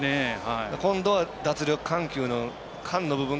今度は、脱力、緩急の部分。